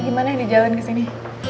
tadi gimana yang di jalan kesini